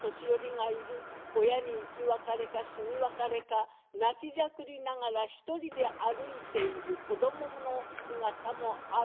親に生き別れか死に別れか泣きじゃくりながら一人で歩いている子どもの姿もある。